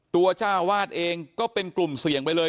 จ้าวาดเองก็เป็นกลุ่มเสี่ยงไปเลย